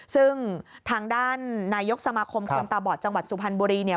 ซึ่งทางด้านนายกสมาคมคนตาบอดจังหวัดสุพรรณบุรีเนี่ย